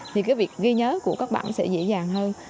thì cái việc ghi nhớ của các bạn sẽ dễ dàng hơn